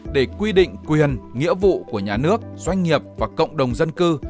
để quy định quyền nghĩa vụ của nhà nước doanh nghiệp và cộng đồng dân cư